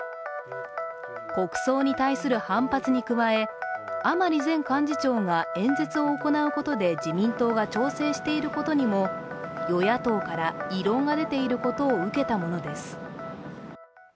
国葬に対する反発に加え甘利前幹事長が演説を行うことで自民党が調整していることにも与野党から異論が出ていることを受けたものです。